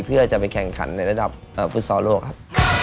เพื่อจะไปแข่งขันในระดับฟุตซอลโลกครับ